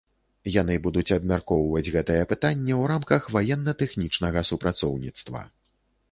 Яны будуць абмяркоўваць гэтае пытанне ў рамках ваенна-тэхнічнага супрацоўніцтва.